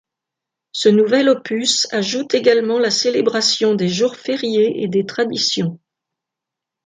Ce nouvel opus ajoute également la célébration des jours fériés et des traditions.